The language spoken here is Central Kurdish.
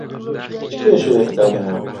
چ کێشەیەکتان هەیە؟